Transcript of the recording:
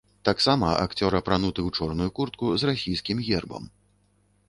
Таксама акцёр апрануты ў чорную куртку з расійскім гербам.